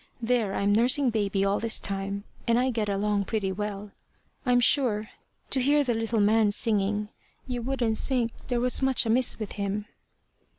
There I'm nursing baby all this time, and I get along pretty well. I'm sure, to hear the little man singing, you wouldn't think there was much amiss with him."